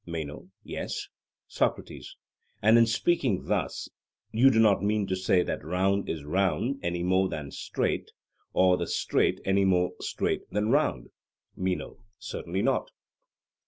MENO: Yes. SOCRATES: And in speaking thus, you do not mean to say that the round is round any more than straight, or the straight any more straight than round? MENO: Certainly not.